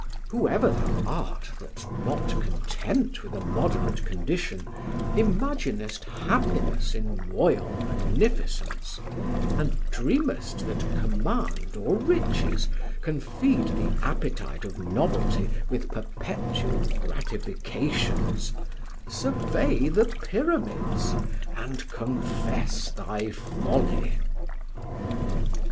Whoever thou art that, not content with a moderate condition, imaginest happiness in royal magnificence, and dreamest that command or riches can feed the appetite of novelty with perpetual gratifications, survey the Pyramids, and confess thy folly!"